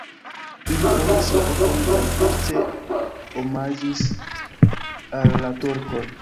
Ili fondis la urbon kaj poste omaĝis al la turkoj.